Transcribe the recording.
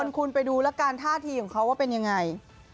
คุณไปดูแล้วกันท่าทีของเขาว่าเป็นยังไง